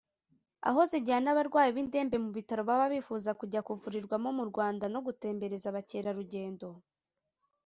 aho zijyana abarwayi b’indembe mu bitaro baba bifuza kujya kuvurirwamo mu Rwanda no gutembereza abakerarugendo